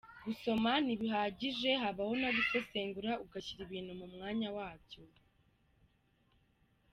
Gusoma ntibihagije haba no gusesengura ugashyira ibintu mu mwanya wabyo.